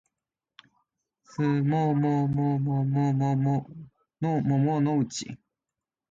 すもももももものもものうち